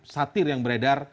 satir yang beredar